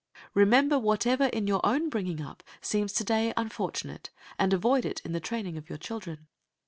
Remember whatever in your own bringing up seems to day unfortunate, and avoid it in the training of your children.